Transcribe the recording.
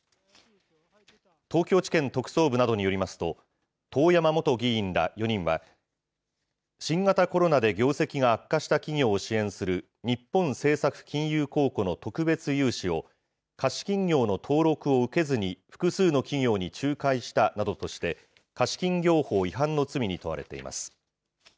東京地検特捜部などによりますと、遠山元議員ら４人は、新型コロナで業績が悪化した企業を支援する日本政策金融公庫の特別融資を、貸金業の登録を受けずに複数の企業に仲介したなどとして、貸金業法違反の罪に問われています。